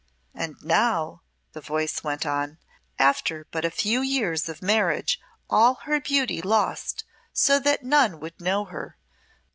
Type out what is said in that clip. "And now," the voice went on, "after but a few years of marriage all her beauty lost so that none would know her!